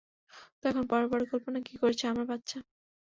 তো এখন পরের পরিকল্পনা কি করেছ, আমার বাচ্চা?